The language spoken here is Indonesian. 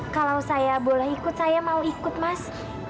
kalau saya boleh ikut saya mau ikut mas